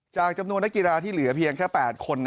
จำนวนนักกีฬาที่เหลือเพียงแค่๘คน